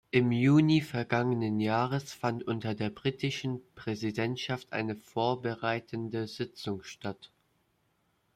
Im Juni vergangenen Jahres fand unter der britischen Präsidentschaft eine Vorbereitende Sitzung statt.